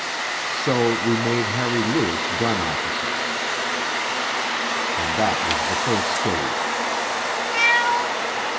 So we made Harry Lewis gun officer. And that was the first stage.